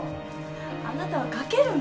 あなたは書けるの。